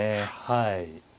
はい。